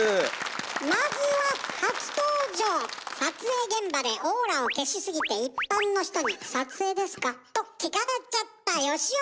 まずは撮影現場でオーラを消しすぎて一般の人に「撮影ですか？」と聞かれちゃった